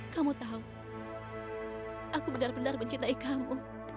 kamu tahu aku benar benar mencintai kamu